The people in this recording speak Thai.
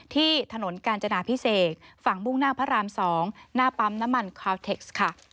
ที่ถนนกาญจนาพิเศษฝั่งมุ่งหน้าพระราม๒หน้าปั๊มน้ำมันคาวเท็กซ์ค่ะ